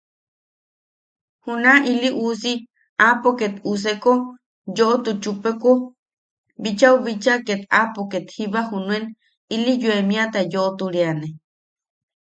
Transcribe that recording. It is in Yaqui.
Juna ili uusi aapo ket useko yoʼotu chupeko bichau bicha ket aapo kettiba junaen ili yoemiata yoʼoturiane.